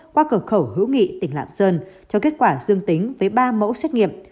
qua cửa khẩu hữu nghị tỉnh lạng sơn cho kết quả dương tính với ba mẫu xét nghiệm